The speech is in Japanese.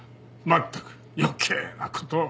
まったく余計なことを。